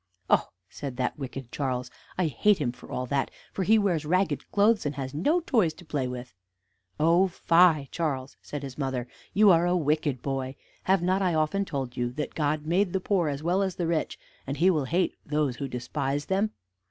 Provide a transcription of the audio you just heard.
"Oh!" said that wicked Charles, "I hate him for all that, for he wears ragged clothes, and has no toys to play with." "Oh fie, Charles!" said his mother; "you are a wicked boy: have not I often told you that God made the poor as well as the rich, and He will hate those who despise them?